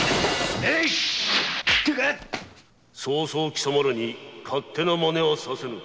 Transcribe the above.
・そうそう貴様らに勝手なマネはさせぬぞ！